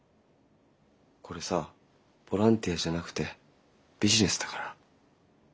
これさボランティアじゃなくてビジネスだから。